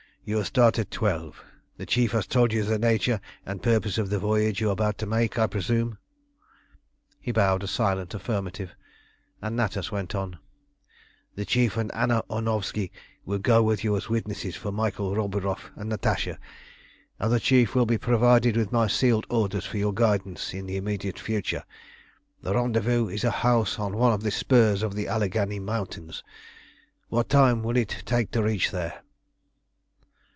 You will start at twelve. The Chief has told you the nature and purpose of the voyage you are about to make, I presume?" He bowed a silent affirmative, and Natas went on "The Chief and Anna Ornovski will go with you as witnesses for Michael Roburoff and Natasha, and the Chief will be provided with my sealed orders for your guidance in the immediate future. The rendezvous is a house on one of the spurs of the Alleghany Mountains. What time will it take to reach there?"